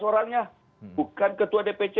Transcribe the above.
suaranya bukan ketua dpc